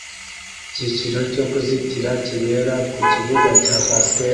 Icyiciro cyo kuzitira kibera ku kibuga cya basket